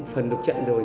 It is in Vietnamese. phần đục trận rồi